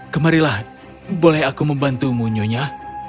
kemarilah boleh aku membantu munyonya